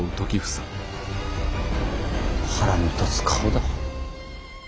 腹の立つ顔だ。